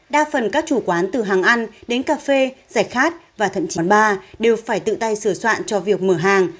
đa phần các chủ quán từ hàng ăn đến cà phê rẻ khát và thận chỉnh bán bar đều phải tự tay sửa soạn cho việc mở hàng